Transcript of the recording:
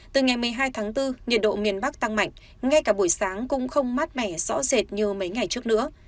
từ ngày một mươi hai tháng bốn nhiệt độ miền bắc tăng mạnh ngay cả buổi sáng cũng không mát mẻ rõ rệt như mấy ngày trước nữa